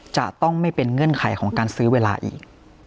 จะต้องไม่เป็นเงื่อนไขของการซื้อเวลาอีก